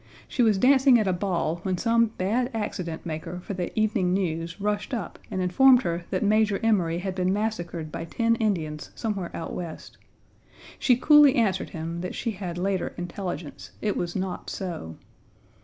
She was dancing at a ball when some bad accident maker for the Evening News rushed up and informed her that Major Emory had been massacred by ten Indians somewhere out West. She coolly answered him that she had later intelligence; it was not so.